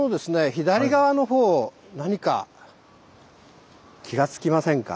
左側の方何か気がつきませんか？